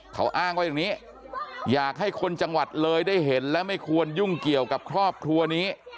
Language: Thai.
เขาอ้างว่าอย่างนี้อยากให้คนจังหวัดเลยได้เห็นและไม่ควรยุ่งเกี่ยวกับครอบครัวนี้